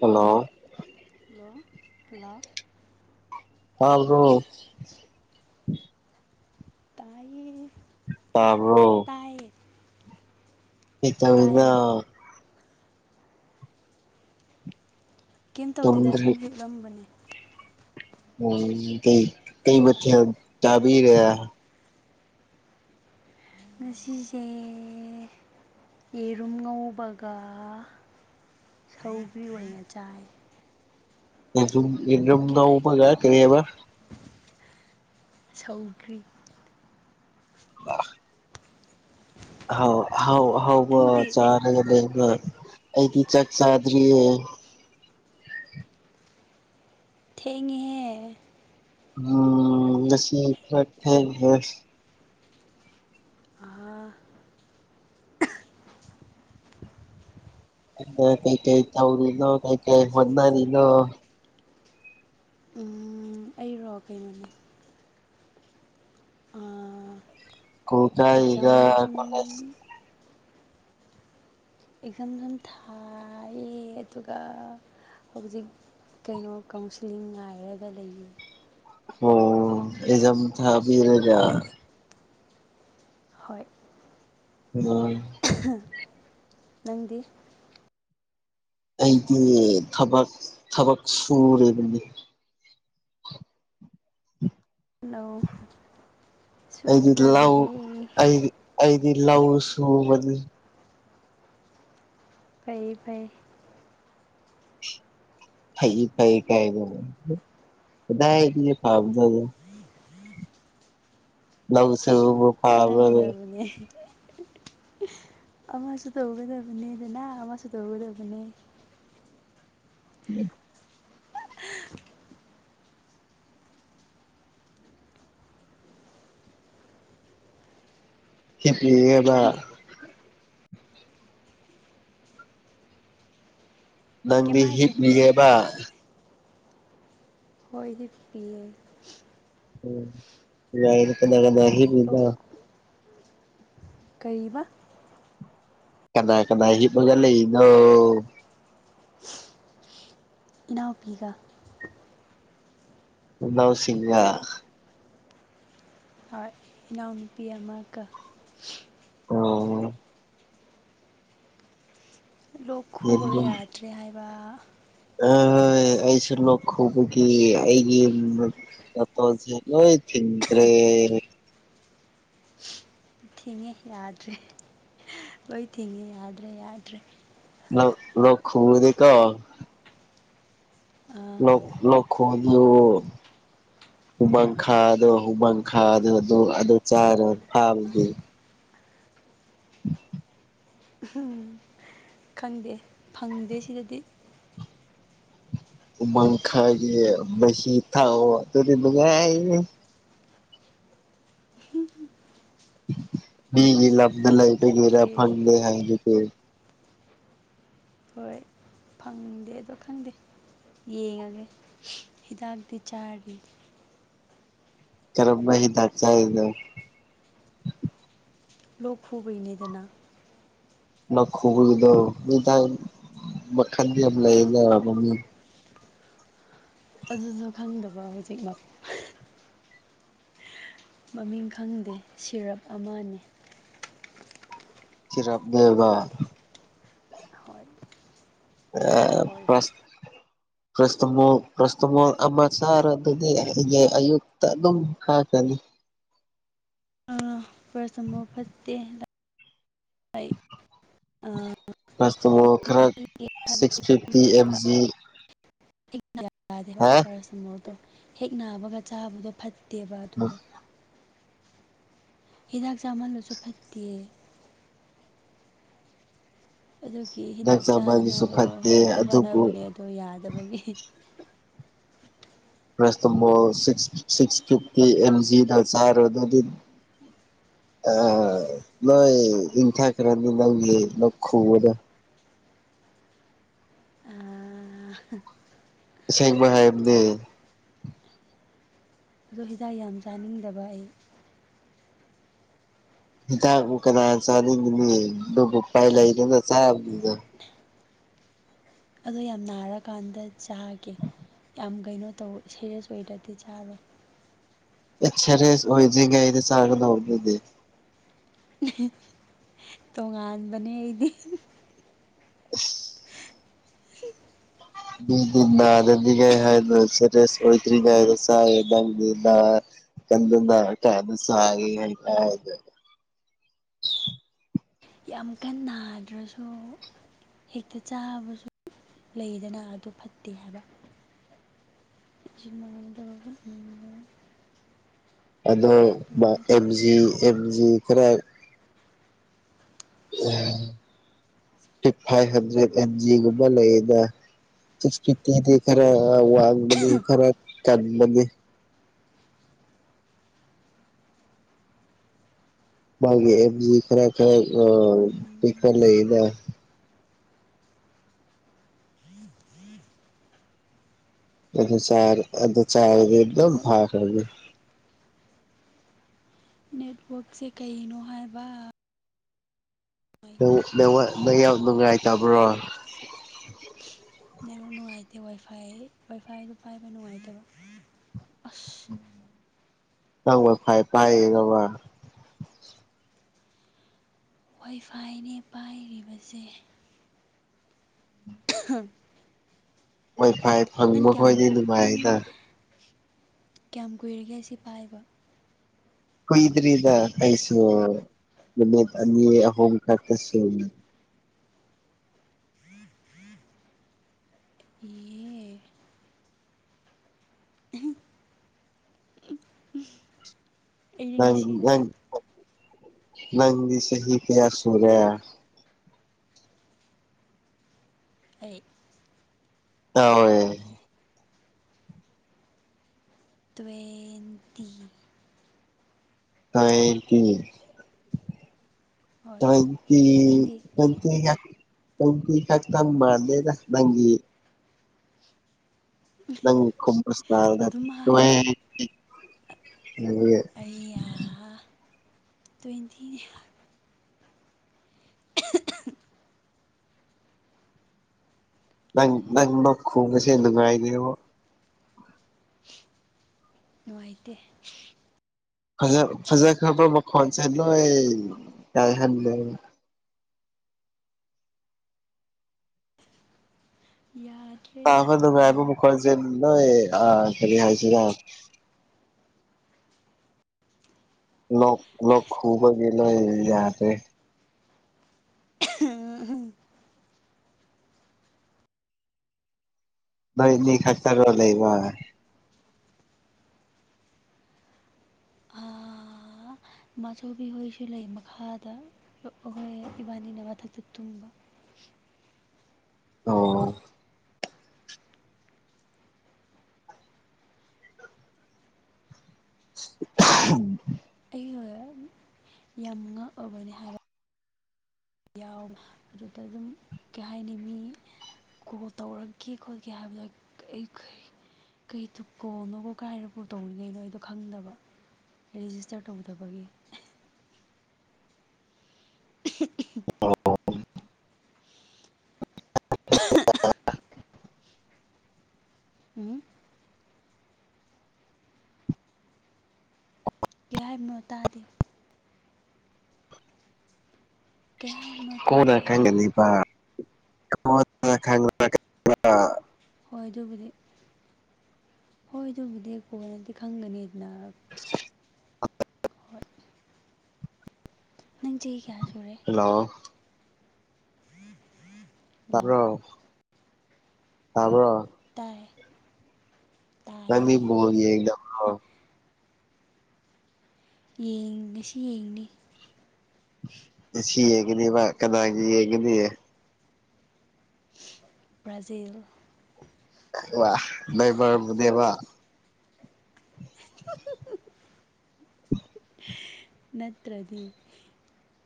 hello hello hello ꯇꯥꯕ꯭ꯔꯣ ꯇꯥꯏꯌꯦ ꯇꯥꯕ꯭ꯔꯣ ꯇꯥꯏꯌꯦ ꯇꯥꯏꯌꯦ ꯀꯩꯗꯧꯔꯤꯅꯣ ꯀꯩꯝ ꯇꯧꯗꯦꯗ ꯇꯨꯝꯗ꯭ꯔꯤ ꯁꯨꯝ ꯍꯤꯞꯂꯝꯕꯅꯦ ꯎꯝ ꯀꯩ ꯀꯩ ꯃꯊꯦꯜ ꯆꯥꯕꯤꯔꯦ ꯉꯁꯤꯖꯦ ꯌꯦꯔꯨꯝ ꯉꯧꯕꯒ ꯁꯧꯒ꯭ꯔꯤ ꯑꯣꯏꯅ ꯆꯥꯏ ꯌꯦꯔꯨꯝ ꯌꯦꯔꯨꯝ ꯉꯧꯕꯒ ꯀꯩꯑꯕ ꯁꯧꯒ꯭ꯔꯤ [inaudible] ꯑꯥꯍꯥꯎ ꯑꯍꯥꯎ ꯑꯥꯍꯥꯎꯕ ꯅꯪꯗꯤ ꯆꯥꯔꯒ ꯂꯩꯕ ꯑꯩꯗꯤ ꯆꯥꯛ ꯆꯥꯗ꯭ꯔꯤꯌꯦ ꯊꯦꯡꯉꯦꯍꯦ ꯎꯝ ꯉꯁꯤ ꯈꯔ ꯊꯦꯡꯒ꯭ꯔꯦ ꯑꯍꯥ ꯑ ꯀꯩ ꯀꯩ ꯇꯧꯔꯤꯅꯣ ꯀꯩ ꯀꯩ ꯍꯣꯠꯅꯔꯤꯅꯣ ꯎꯝ ꯑꯩꯔꯣ ꯀꯩꯅꯣꯅꯦ ꯑꯥ ꯑꯦꯛꯖꯥꯝ ꯁꯨꯝ [unintelligible] ꯑꯦꯛꯖꯥꯝ ꯌꯥꯝ ꯊꯥꯏꯌꯦ ꯑꯗꯨꯒ ꯍꯧꯖꯤꯛ ꯀꯩꯅꯣ ꯀꯥꯎꯟꯁꯤꯂꯤꯡ ꯉꯥꯏꯔꯒ ꯂꯩꯌꯦ ꯑꯣ ꯑꯩꯖꯝ ꯊꯥꯕꯤꯔꯗ ꯍꯣꯏ [unintelligible] ꯍꯥ ꯅꯪꯗꯤ ꯑꯩꯗꯤ ꯊꯕꯥꯛ-ꯊꯕꯥꯛ ꯁꯨꯔꯤꯕꯅꯤ ꯍꯣꯠꯅꯧ ꯑꯩꯗꯤ ꯂꯧ ꯑꯩꯗꯤ ꯑꯩꯗꯤ ꯂꯧ ꯁꯨꯕꯅꯤ ꯐꯩ ꯐꯩ ꯐꯩ ꯐꯩ ꯀꯥꯏ ꯀꯗꯥꯏꯗꯑꯤ ꯐꯕꯅꯣꯗ ꯂꯧ ꯁꯨꯕꯕꯨ ꯐꯕ꯭ꯔꯅꯦ ꯍꯣꯠꯅꯒꯗꯕꯅꯦ ꯑꯃꯁꯨ ꯇꯧꯒꯗꯕꯅꯦꯗꯅ ꯑꯃꯁꯨ ꯇꯧꯒꯗꯕꯅꯦ [inaudible] ꯍꯤꯞꯄꯤꯑꯕ ꯀꯩꯝ ꯅꯪꯗꯤ ꯍꯥꯏꯗꯦ ꯍꯤꯞꯄꯤꯌꯦꯕ ꯍꯣꯏ ꯍꯤꯞꯄꯤꯌꯦ ꯎꯝ ꯀꯗꯥꯢꯗ ꯀꯅꯥ ꯀꯅꯥ ꯍꯤꯞꯂꯤꯅꯣ ꯀꯔꯤꯕꯥ ꯀꯅꯥ ꯀꯅꯥ ꯍꯤꯞꯄꯒ ꯂꯩꯔꯤꯅꯣ ꯏꯅꯥꯎꯄꯤꯒ ꯢꯅꯥꯎꯁꯤꯡꯒ ꯍꯣꯏ ꯏꯅꯥꯎ ꯅꯨꯄꯤ ꯑꯃꯒ ꯑꯣ ꯂꯣꯛ ꯈꯨꯕꯒꯤ ꯌꯥꯗ꯭ꯔꯦ ꯍꯥꯏꯕ ꯑ ꯍꯣꯏꯣꯏ ꯑꯩꯁꯨ ꯂꯣꯛ ꯈꯨꯒꯤ ꯑꯩꯒꯤ ꯅꯇꯣ ꯖꯂ ꯊꯤꯟ꯭ꯔꯦ ꯊꯦꯡꯉꯦ ꯌꯥꯗ꯭ꯔꯦ ꯂꯣꯏ ꯊꯦꯡꯉꯦ ꯌꯥꯗ꯭ꯔꯦ ꯌꯥꯗ꯭ꯔꯦ [unintelligible] ꯑꯥ ꯂ ꯂ ꯈꯣꯗꯨ [unintelligible] [unintelligible] ꯍꯨꯃꯪꯈꯥꯗꯣ ꯍꯨꯃꯪꯈꯥꯗ ꯑꯗꯨ ꯑꯗꯨ ꯆꯥꯔ ꯐꯥꯕꯒꯤ [inaudible] ꯎꯝ ꯈꯪꯗꯦ ꯐꯪꯗꯦ ꯁꯤꯗꯗꯤ ꯎꯃꯪꯈꯥꯏꯒꯤ ꯃꯍꯤ ꯊꯥꯛꯑꯣ ꯑꯗꯨꯗꯤ ꯅꯨꯡꯉꯥꯏꯌꯦ ꯒꯤꯂꯏꯒꯦꯔ ꯊꯛꯀꯤ ꯐꯦ ꯍꯥꯏ ꯍꯣꯏ ꯐꯪꯗꯦ ꯑꯗꯣ ꯈꯪꯗꯦ ꯌꯦꯡꯉꯒ ꯍꯤꯗꯥꯛꯇꯤ ꯆꯥꯔꯤ ꯀꯔꯝꯝꯕ ꯍ ꯗꯥꯛ ꯆꯔꯗ ꯂꯣꯛ ꯈꯨꯕꯩꯅꯤꯗꯅ ꯅꯈꯣꯜꯗꯣ ꯃꯤꯇꯟ ꯃꯈꯟ ꯌꯥꯝ ꯂꯩꯅ ꯃꯃꯤ ꯑꯗꯨꯁꯨ ꯈꯪꯗꯕ ꯍꯧꯖꯤꯛꯃꯛ ꯃꯃꯤꯡ ꯈꯪꯗꯦ ꯁꯤꯔꯞ ꯑꯃꯅꯤ ꯆꯔꯄ ꯗꯕ [unintelligible] ꯍꯣꯏ ꯑ ꯌꯥ ꯍꯣꯏ ꯍꯣꯏ ꯄꯁ ꯭ꯔꯁꯃꯜ ꯑꯃ ꯆꯥꯔ ꯑꯗꯨꯗꯤ ꯑꯩ ꯑꯌꯨꯛꯇ ꯑꯗꯨꯝ ꯊꯥꯒꯅꯤ ꯄꯥꯔꯁꯇꯃꯣꯜ ꯐꯠꯇꯦ ꯔꯁꯇꯣ ꯈꯔ ꯁꯤꯛꯁ ꯐꯤꯞꯇꯤ ꯑꯦꯞ ꯖꯤ ꯍꯦꯛ- ꯌꯥꯗꯦꯕ ꯍꯥ ꯄꯦꯔꯁꯇꯃꯣꯜꯇꯣ ꯍꯦꯛ ꯅꯥꯕꯒ ꯆꯥꯕꯗꯣ ꯐꯠ ꯇꯦꯕ ꯗꯨꯒ ꯍꯤꯗꯥꯛ ꯆꯥꯃꯜꯂꯁꯨ ꯐꯠꯇꯦ ꯑꯗꯨꯒꯤ ꯍꯤꯗꯥꯛ ꯆꯥꯕꯗꯨꯁꯨ ꯐꯠꯇꯦ ꯆꯥꯗꯅꯕꯗꯤ ꯑꯗꯨꯕꯨ ꯍꯣꯠꯅꯕꯅꯦ ꯑꯗꯣ ꯌꯥꯗꯕꯒꯤ ꯦꯁꯇꯝꯕꯣꯜ ꯁꯤꯛ ꯁꯤꯛꯁ ꯐꯤꯐꯇꯤ ꯑꯦꯝ ꯖꯤꯗ ꯆꯥꯏꯔ ꯑꯗꯨꯗꯤ ꯑꯥꯏ ꯅꯣꯏ ꯏꯟꯊꯛꯗ꯭ꯔꯗꯤ ꯈꯪꯗꯦ ꯂꯣꯛ ꯈꯨꯕꯗꯣ ꯑꯁꯦꯡꯕ ꯍꯥꯏꯕꯗꯤ ꯍꯣꯏ ꯑꯗꯣ ꯍꯤꯗꯥꯛ ꯌꯥꯝ ꯆꯥꯅꯤꯡꯗꯕ ꯑꯩ ꯍꯤꯗꯥꯛꯕꯨ ꯀꯅꯥ ꯆꯥꯅꯤꯡꯅꯤ ꯑꯗꯨꯕꯨ ꯎꯄꯥꯏ ꯂꯩꯇꯅ ꯆꯥꯕꯗꯨꯗ ꯑꯗꯣ ꯌꯥꯝ ꯅꯥꯔꯀꯥꯟꯗ ꯆꯥꯒꯦ ꯌꯥꯝ ꯀꯩꯅꯣ ꯇꯧ ꯁꯦꯔꯦꯁ ꯑꯣꯏꯗ꯭ꯔꯗꯤ ꯆꯥꯔꯣꯏ ꯑꯦꯛ ꯁꯦꯔꯦꯁ ꯑꯣꯏꯗꯔꯤꯉꯩꯗ ꯋꯥꯒꯗꯕ ꯅꯤꯅꯦ ꯇꯣꯉꯥꯟꯕꯅꯦ ꯑꯩꯗꯤ [inaudible] ꯍ ꯃꯤꯗꯤ ꯅꯥꯗꯅꯤꯉꯥꯏ ꯍꯥꯏꯗꯅ ꯁꯦꯔꯤꯌꯁ ꯑꯣꯏꯗ꯭ꯔꯤꯉꯩꯗ ꯆꯥꯏ ꯅꯪꯗꯤ ꯀꯟ ꯀ ꯑꯗꯨ ꯁ [unintelligible] ꯌꯥꯝ ꯀꯟꯅ ꯅꯥꯗ꯭ꯔꯁꯨ ꯍꯦꯛꯇ ꯆꯥꯕꯁꯨ ꯂꯩꯗꯅ ꯑꯗꯨ ꯐꯠꯇꯦ ꯍꯥꯏꯕ ꯆꯤꯟ ꯃꯗꯕꯟ ꯍꯉ [inaudible] ꯑꯗꯣ ꯑꯦꯝ ꯖꯤ ꯑꯦꯝ ꯖꯤ ꯈꯔ ꯎꯝ ꯐ ꯐꯥꯏꯚ ꯍꯟꯗ꯭ꯔꯦꯠ ꯑꯦ ꯖꯤꯒꯨꯝꯕ ꯂꯩꯗ ꯁꯤꯛꯁꯇꯤ ꯇꯤꯗꯤ ꯈꯔ ꯋꯥ ꯃ ꯈꯔ ꯇꯥꯕꯤꯔꯒꯦ ꯃꯥꯒꯤ ꯑꯦꯞꯖꯤ ꯈꯔ ꯈꯔ ꯈꯔ ꯂꯩꯌꯦꯗ ꯑꯗꯨ -ꯆꯥ-ꯑꯗꯨ ꯆꯥꯔꯗꯤ ꯑꯗꯨꯝ ꯅꯦꯠꯋꯛ ꯐꯈ꯭ꯔꯅꯤ ꯅꯦꯠꯋꯛꯁꯦ ꯀꯩꯅꯣ ꯍꯥꯏꯕ ꯅꯪ ꯅꯦꯋꯛ-ꯅꯦꯋꯛ ꯅꯨꯡꯉꯥꯏ ꯇꯕ꯭ꯔꯣ ꯅꯦꯋꯥꯛ ꯅꯨꯡꯉꯥꯏꯇꯦ ꯋꯥꯏ ꯐꯥꯏ ꯋꯥꯏꯐꯥꯏꯗꯨ ꯄꯥꯏꯕ ꯅꯨꯡꯉꯥꯏꯇꯕ ꯑꯁ ꯅꯪ ꯋꯥꯢ ꯐꯥꯏ ꯄꯥꯢꯔꯕ ꯋꯥꯏꯐꯥꯏꯅꯦ ꯄꯥꯏꯔꯤꯕꯁꯦ [unintelligible] ꯋꯥꯏ ꯐꯥꯏ ꯅꯪ ꯐꯪꯕ ꯀꯌꯥꯝ ꯈꯣꯏꯗꯤ ꯅꯪ ꯅꯨꯡꯉꯥꯏꯗ ꯀꯌꯥꯝ ꯀꯨꯏꯔꯒꯦ ꯑꯁꯤ ꯄꯥꯏꯕ ꯀꯣꯏꯗ꯭ꯔꯤꯗ ꯀꯩꯁꯨ ꯅꯨꯃꯤꯠ ꯑꯅꯤ ꯑꯍꯨꯝ ꯈꯇ ꯁꯨꯔꯤ ꯌꯦ ꯑꯩꯗꯤ ꯅꯪ ꯉꯁꯤꯅ ꯅꯪ ꯅꯪꯗꯤ ꯆꯍꯤ ꯀꯌꯥ ꯁꯨꯔꯦ ꯑꯩ ꯍꯣꯏ ꯇ꯭ꯋꯦꯗꯤ ꯀ꯭ꯋꯦꯟꯇꯤ ꯍꯣꯏ ꯇ꯭ꯋꯦꯟꯇꯤ ꯅꯪꯗꯤ ꯇ꯭ꯋꯦꯟꯇꯤ ꯌꯥ ꯇꯋꯦꯟꯇꯤ ꯈꯛꯇꯪ ꯃꯥꯟꯗꯦꯗ ꯅꯪꯒꯤ ꯅꯪ ꯈꯨꯝꯕ ꯏꯁꯇꯥꯢꯜꯗꯣ ꯑꯗꯨꯝ ꯍꯥꯏ ꯇ꯭ꯋꯦꯟꯇꯤ [unintelligible] ꯇ꯭ꯋꯦꯟꯇꯤꯅꯤ ꯍꯣꯢ [unintelligible] ꯅꯪ ꯅꯪ ꯂꯣꯛ ꯈꯨꯕꯁꯦ ꯅꯨꯉꯥꯢꯕꯤꯔꯣ ꯅꯨꯡꯉꯥꯏꯇꯦ ꯐꯖ ꯐꯖꯈ꯭ꯔꯕ ꯃꯈꯣꯟꯁꯦ ꯂꯣꯏ ꯀꯥꯏꯍꯜꯂꯦ ꯌꯥꯗ꯭ꯔꯤ ꯇꯥꯕ ꯅꯨꯡꯉꯥꯏꯕ ꯃꯈꯜꯁꯦ ꯂꯣꯏ ꯑ ꯀꯔꯤ ꯍꯥꯏꯁꯤꯔ ꯂꯣꯛ ꯂꯣꯛ ꯈꯨꯕꯒꯤ ꯅꯣꯢ ꯌꯥꯗ꯭ꯔꯦ [unintelligible] ꯅꯣꯏꯅꯤ ꯈꯛꯇꯔꯣ ꯂꯩꯕ [inaudible] ꯃꯥꯆꯨꯕꯤꯍꯣꯏꯁꯨ ꯂꯩ ꯃꯈꯥꯗ ꯑꯈꯣꯢꯏ ꯏꯕꯥꯅꯤꯅ ꯃꯊꯛꯇ ꯇꯨꯝꯕ ꯑꯣ [inaudible] [unintelligible] ꯑꯩ ꯌꯥꯝ ꯉꯥꯛ ꯑꯕꯅꯤ ꯍꯥꯏꯕ ꯌꯥꯎ ꯑꯗꯨꯗ ꯑꯗꯨꯝ ꯀꯩ ꯍꯥꯏꯅꯤ ꯃꯤ ꯀꯣꯜ ꯇꯧꯔꯛꯒꯦ ꯈꯣꯠꯀꯦ ꯍꯥꯏꯕꯗꯣ ꯑꯩꯈ ꯀꯩ ꯇꯨꯀꯣꯅꯣꯕꯨꯣ ꯀꯥꯏꯔꯕꯨ ꯇꯧꯔꯤꯉꯩꯅꯣ ꯑꯩꯗꯣ ꯈꯪꯗꯕ ꯔꯦꯖꯤꯁꯇꯔ ꯇꯧꯗꯕꯒꯤ [unintelligible] [inaudible] ꯎꯝ ꯀꯩ ꯍꯥꯏꯕꯅꯣ ꯇꯥꯗꯦ ꯀꯩ ꯍꯥꯏꯕꯅꯣ ꯇꯥꯗꯦ ꯀꯣꯅ ꯍꯥꯏꯕ ꯈꯡꯒꯅꯤꯕ ꯀꯣꯅ ꯈꯪꯂꯛꯀꯅꯤꯕ ꯍꯣꯏ ꯑꯗꯨꯕꯨꯗꯤ ꯍꯣꯏ ꯑꯗꯨꯕꯨꯗꯤ ꯀꯣꯅꯗꯤ ꯈꯪꯒꯅꯤꯗꯅ [unintelligible] ꯍꯣꯏ ꯅꯪ ꯆꯍꯤ ꯀꯌꯥ ꯁꯨꯔꯦ ꯍꯜꯂꯣ ꯍꯜꯂꯣ ꯇꯥꯕ꯭ꯔꯣ ꯇꯥꯕ꯭ꯔꯣ ꯇꯥꯏ ꯅꯪꯗꯤ ꯇꯥꯏꯌꯦ ꯕꯣꯜ ꯌꯦꯡꯗ ꯌꯦꯡ ꯉꯁꯤ ꯌꯦꯡꯅꯤ ꯉꯁꯤ ꯌꯦꯡꯒꯅꯤꯕ ꯀꯅꯥꯒꯤ ꯌꯦꯡꯒꯅꯤ ꯕ꯭ꯔꯥꯖꯤꯜ ꯋꯥ ꯅꯕꯔꯕꯨꯗꯤꯕ [inaudible] ꯅꯠꯇ꯭ꯔꯗꯤ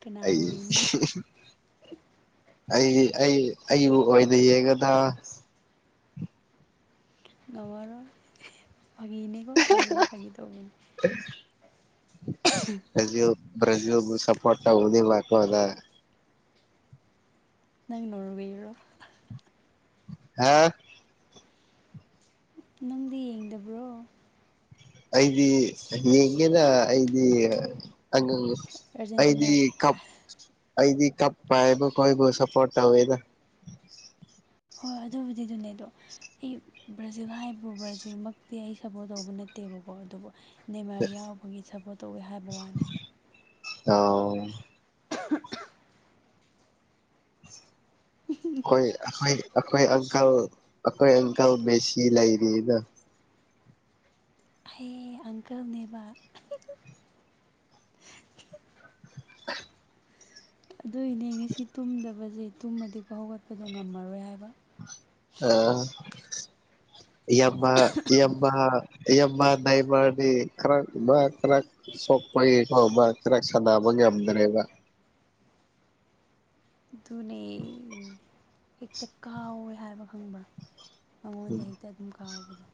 ꯀꯅꯥ ꯑꯩ ꯑꯣꯏꯅꯤ ꯑꯩ ꯑꯩ ꯑꯩꯕꯨ ꯑꯣꯏꯅ ꯌꯦꯒꯗ ꯉꯝꯔꯔꯣꯏ ꯐꯒꯤꯅꯦꯀꯣ ꯐꯒꯤꯅꯦ ꯐꯒꯤ ꯇꯧꯕꯅꯤ ꯕꯔꯖꯤꯜ- ꯕ꯭ꯔꯖꯤꯜꯕꯨ ꯁꯄꯣꯔꯠ ꯇꯧꯒꯅꯤꯕ ꯅꯠꯇꯔꯣ ꯅꯪ ꯅꯪ ꯅꯔꯕꯤꯔꯣ ꯍꯥ ꯅꯪꯗꯤ ꯌꯦꯡꯗꯕ꯭ꯔꯣ ꯑꯩꯗꯤ ꯌꯦꯡꯒꯦꯅ ꯑꯩꯗꯤ ꯑꯪ ꯑꯩꯗꯤ ꯑꯥꯔꯖꯦꯟꯇꯤꯅꯥ ꯀꯞ ꯑꯩꯗꯤ ꯀꯞꯄ ꯍꯥꯏꯕ ꯀꯣꯏꯕꯨ ꯁꯄꯣꯔꯠ ꯇꯧꯋꯦꯗ [inaudible] ꯍꯣꯏ ꯑꯗꯨꯕꯨꯗꯤ ꯑꯗꯨꯅꯦꯗꯣ ꯑꯩ ꯕ꯭ꯔꯥꯖꯤꯜ ꯍꯥꯏꯕꯕꯨ ꯕ꯭ꯔꯥꯖꯤꯜꯃꯛꯇꯤ ꯑꯩ ꯁꯞꯄꯣꯔꯠ ꯇꯧꯕ ꯅꯠꯇꯦꯕꯀꯣ ꯑꯗꯨꯕꯨ ꯅꯦꯃꯔ ꯌꯥꯎꯕꯒꯤ ꯁꯞꯄꯣꯔꯠ ꯇꯧꯋꯤ ꯍꯥꯏꯕ ꯋꯥꯅꯤ ꯑꯣ [inaudible] [inaudible] ꯑꯩꯈꯣꯏ- ꯑꯩꯈꯣꯏ- ꯑꯩꯈꯣꯏ ꯑꯪꯀꯜ ꯑꯩꯈꯣꯏ ꯑꯪꯀꯜ ꯃꯦꯁꯤ ꯂꯩꯔꯤꯅ ꯍꯌꯦ ꯑꯪꯀꯜꯅꯦꯕ [inaudible] ꯑꯗꯨꯏꯅꯦ ꯉꯁꯤ ꯇꯨꯝꯗꯕꯁꯦ ꯇꯨꯝꯃꯗꯤꯀꯣ ꯍꯧꯒꯠꯄꯗꯣ ꯉꯝꯃꯔꯣꯏ ꯍꯥꯏꯕ ꯑ ꯌꯥꯝꯃ ꯌꯥꯝꯃꯍꯥ ꯏ ꯅꯏꯃꯅꯤ ꯀꯔ ꯀꯔ ꯁꯣꯛꯄꯒꯤ ꯐꯥꯎꯕ ꯀꯈꯤꯔꯥꯛ ꯁꯥꯟꯅꯕ ꯉꯝꯗ꯭ꯔꯦꯕ ꯑꯗꯨꯅꯦ ꯍꯦꯛꯇ ꯀꯥꯎꯋꯦ ꯍꯥꯏꯕ ꯈꯪꯕ꯭ꯔ ꯃꯉꯣꯟꯗ ꯍꯦꯛꯇ ꯑꯗꯨꯝ ꯀꯥꯎꯕꯗꯣ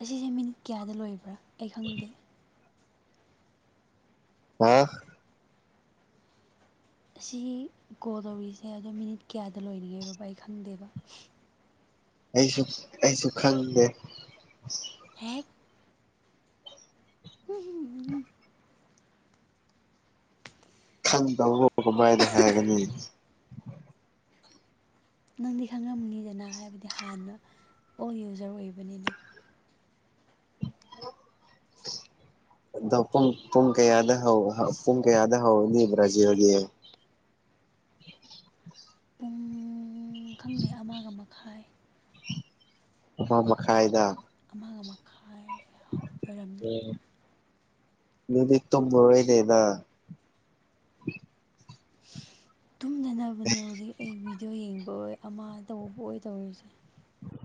ꯑꯁꯤꯁꯦ ꯃꯤꯅꯤꯠ ꯀꯌꯥꯗ ꯂꯣꯏꯕ꯭ꯔꯥ ꯑꯩ ꯈꯪꯗꯦ ꯑ ꯑꯁꯤ ꯀꯣꯜ ꯇꯧꯔꯤꯁꯦ ꯑꯗꯣ ꯃꯤꯅꯤꯠ ꯀꯌꯥꯗ ꯂꯣꯏꯔꯤꯒꯦꯔꯣꯕ ꯑꯩ ꯈꯪꯗꯦꯕ ꯑꯩꯁꯨ ꯑꯩꯁꯨ ꯈꯪꯗꯦ ꯍ ꯎ ꯈꯪꯗꯧꯔꯣ ꯀꯃꯥꯏꯅ ꯍꯥꯏꯔꯒꯅꯤ ꯅꯪꯗꯤ ꯈꯪꯉꯝꯅꯤꯗꯅ ꯍꯥꯏꯕꯗꯤ ꯍꯥꯟꯅ ꯑꯣꯜ ꯌꯨꯖꯔ ꯑꯣꯏꯕꯅꯤꯅ [inaudible] ꯑ ꯄꯨꯡ ꯄꯨꯡ ꯀꯌꯥꯗ ꯍ ꯄꯨꯡ ꯀꯌꯥꯗ ꯍꯗꯤꯕ꯭ꯔꯥꯖꯤ ꯍꯧꯗꯤ ꯄꯨꯡ [inaudible] ꯈꯪꯗꯦ ꯑꯃꯒ ꯃꯈꯥꯏ ꯑ ꯃꯈꯥꯏꯗ ꯑꯃꯒ ꯃꯈꯥꯏ ꯑꯣꯏꯔꯝꯅꯤ ꯎꯝ ꯑꯗꯨꯗꯤ ꯇꯨꯝꯔꯣꯏꯅꯦ ꯅ ꯪ ꯇꯨꯝꯗꯅꯕꯅꯦ ꯍꯧꯖꯤꯛ ꯑꯩ ꯚꯤꯗꯤꯑꯣ ꯌꯦꯡꯕ ꯑꯣꯏ ꯑꯃ ꯇꯧꯕ ꯑꯣꯏ ꯇꯧꯔꯤꯁꯦ